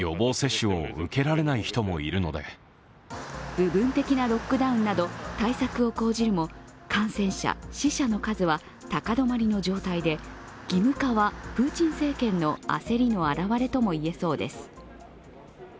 部分的なロックダウンなど対策を講じるも感染者・死者の数は高止まりの状態で義務化はプーチン政権の焦りの表れとも言えそうです。